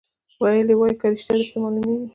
ویل وایه که ریشتیا در معلومیږي